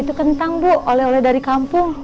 itu kentang bu oleh oleh dari kampung